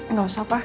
enggak usah pa